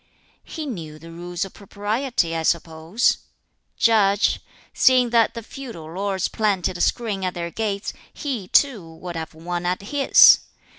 "He knew the Rules of Propriety, I suppose?" "Judge: Seeing that the feudal lords planted a screen at their gates, he too would have one at his!